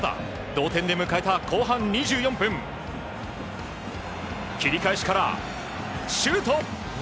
同点で迎えた後半２４分切り返しから、シュート！